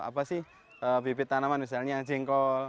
apa sih bibit tanaman misalnya jengkol